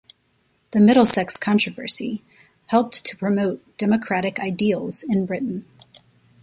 The Middlesex controversy helped to promote democratic ideals in Britain.